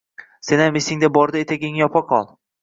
Senam esing borida etagingni yopa qol